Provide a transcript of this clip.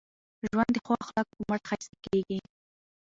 ژوند د ښو اخلاقو په مټ ښایسته کېږي.